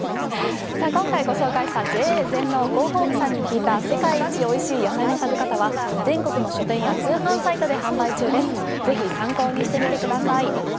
今回紹介した「ＪＡ全農広報部さんにきいた世界一おいしい野菜の食べ方」は全国の書店や通販サイトで販売中です。